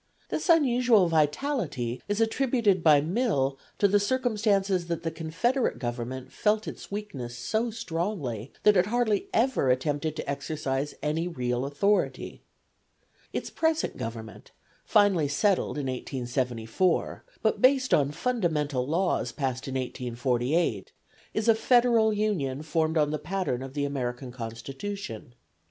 This unusual vitality is attributed by Mill to the circumstance that the confederate government felt its weakness so strongly that it hardly ever attempted to exercise any real authority. Its present government, finally settled in 1874, but based on fundamental laws passed in 1848, is a federal union formed on the pattern of the American Constitution.